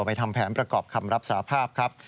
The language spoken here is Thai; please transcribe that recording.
ทำแผนประกอบคำรับสาภาพครับ